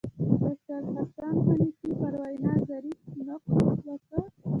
ډاکتر حسن حنفي پر وینا ظریف نقد وکړ.